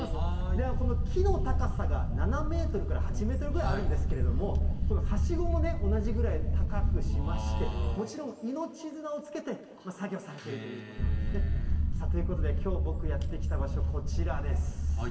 ではこの木の高さが７メートルから８メートルぐらいあるんですけれども、このはしごも同じぐらい高くしまして、もちろん命綱をつけて作業されているということなんですね。ということで、きょう僕やって来た場所、こちらです。